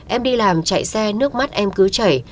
em đi làm chạy xe nước mắt em cứ chảy